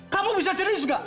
kamu bisa jadi juga